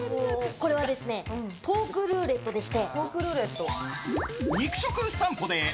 これはですねトークルーレットでして。